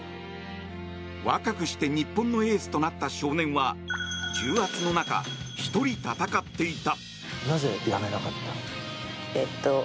若くして日本のエースとなった少年は重圧の中、１人戦っていた。